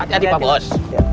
hati hati pak bos